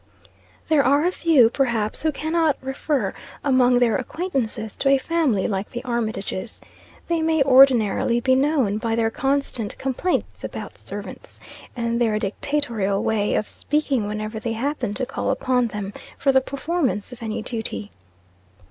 There are few, perhaps, who cannot refer, among their acquaintances, to a family like the Armitages. They may ordinarily be known by their constant complaints about servants, and their dictatorial way of speaking whenever they happen to call upon them for the performance of any duty.